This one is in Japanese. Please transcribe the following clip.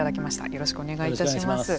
よろしくお願いします。